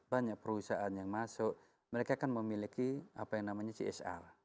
banyak perusahaan yang masuk mereka akan memiliki apa yang namanya csr